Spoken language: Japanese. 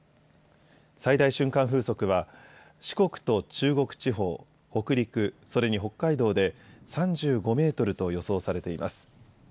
最大瞬間風速は四国と中国地方、北陸、それに北海道で３５メートルと予想されています。